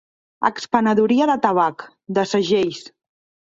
Expenedoria de tabac, de segells.